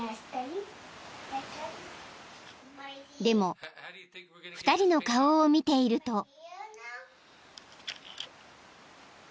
［でも２人の顔を見ていると］